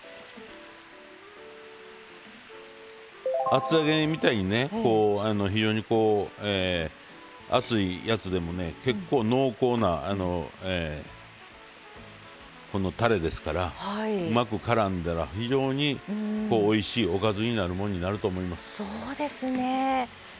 厚揚げみたいに非常に厚いやつでも結構濃厚なたれですからうまくからんだら非常においしいおかずになるもんになると思います。